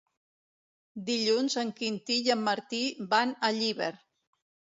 Dilluns en Quintí i en Martí van a Llíber.